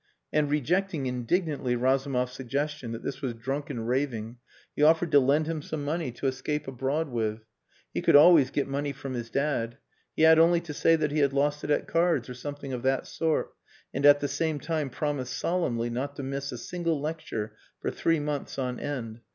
And rejecting indignantly Razumov's suggestion that this was drunken raving, he offered to lend him some money to escape abroad with. He could always get money from his dad. He had only to say that he had lost it at cards or something of that sort, and at the same time promise solemnly not to miss a single lecture for three months on end.